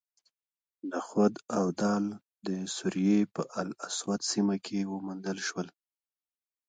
نخود او دال د سوریې په الاسود سیمه کې وموندل شول.